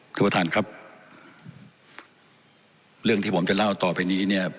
ท่านประธานครับเรื่องที่ผมจะเล่าต่อไปนี้เนี่ย